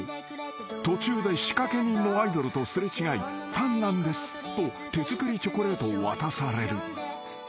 ［途中で仕掛け人のアイドルと擦れ違い「ファンなんです」と手作りチョコレートを渡される］